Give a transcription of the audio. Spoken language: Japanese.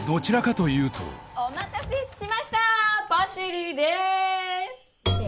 お待たせしましたパシリです！